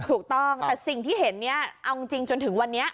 ถูกต้องแต่สิ่งที่เห็นเนี่ยเอาจริงจนถึงวันนี้